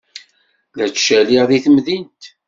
La ttcaliɣ deg temdint.